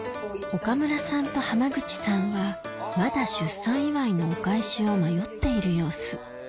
岡村さんと濱口さんはまだ出産祝いのお返しを迷っている様子